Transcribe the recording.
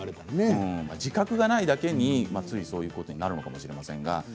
自覚がないだけに、ついそういうことになるのかもしれません。